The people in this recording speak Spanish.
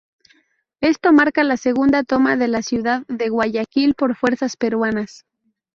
Esto marca la segunda toma de la ciudad de Guayaquil por fuerzas peruanas.